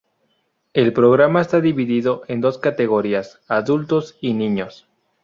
El programa está divido en dos categorías: adultos y niños.